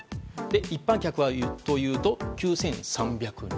一般客はというと９３００人。